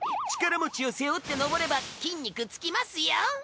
ちからモチを背負って上れば筋肉つきますよ。